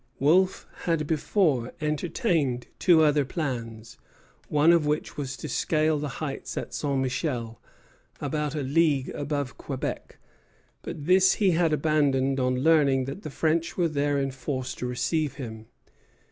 Wolfe had before entertained two other plans, one of which was to scale the heights at St. Michel, about a league above Quebec; but this he had abandoned on learning that the French were there in force to receive him.